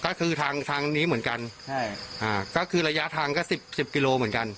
ก็คือทางทางนี้เหมือนกันใช่อ่าก็คือระยะทางก็สิบสิบกิโลเหมือนกัน